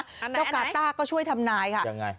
อันไหนอันไหนเจ้ากาต้าก็ช่วยทำนายค่ะยังไง